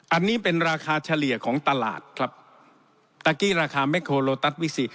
อันนี้เป็นราคาเฉลี่ยของตลาดครับตะกี้ราคาแคลโลตัสวิสิ